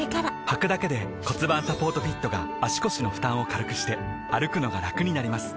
はくだけで骨盤サポートフィットが腰の負担を軽くして歩くのがラクになります